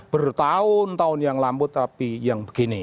bertahun tahun yang lambut tapi yang begini